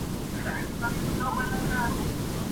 که ولي نه يم، خالي هم نه يم.